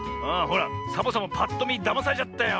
ほらサボさんもぱっとみだまされちゃったよ。